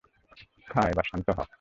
খা, এবং শান্ত হ!